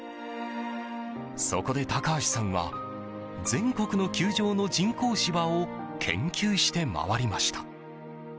そこで高橋さんは全国の球場の人工芝を研究して回りました。